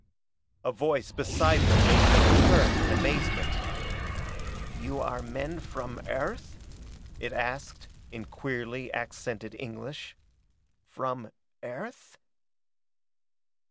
A voice beside them made them turn in amazement. "You are men from Earth?" it asked, in queerly accented English. "From Earth?"